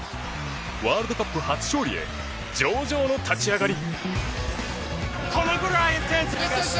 ワールドカップ初勝利へ上々の立ち上がり。